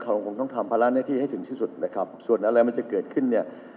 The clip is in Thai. เราคงต้องทำภาระหน้าที่ให้ถึงที่สุดนะครับส่วนอะไรมันจะเกิดขึ้นเนี่ย